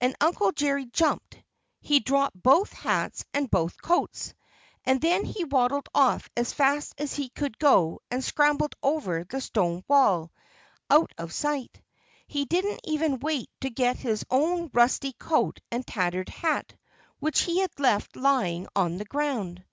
And Uncle Jerry jumped. He dropped both hats and both coats. And then he waddled off as fast as he could go and scrambled over the stone wall, out of sight. He didn't even wait to get his own rusty coat and tattered hat, which he had left lying on the ground.